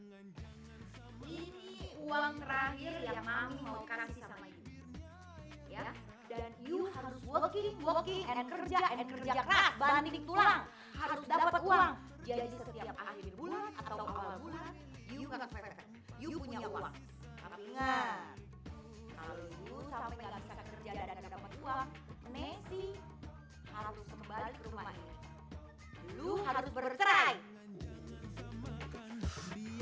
lu harus bercerai